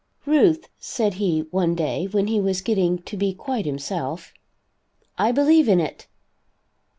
"Ruth," said he one day when he was getting to be quite himself, "I believe in it?"